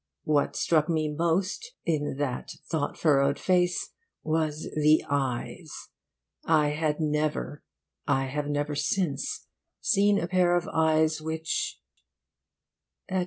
What struck me most in that thought furrowed face was the eyes. I had never, I have never since, seen a pair of eyes which,' etc.